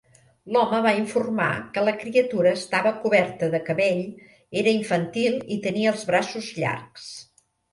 L'home va informar que la criatura estava coberta de cabell, era infantil i tenia els braços llargs.